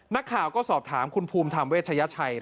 นักข่าวก็สอบถามคุณภูมิธรรมเวชยชัย